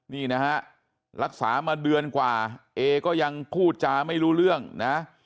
นี่นะฮะรักษามาเดือนกว่าเอก็ยังพูดจาไม่รู้เรื่องนะ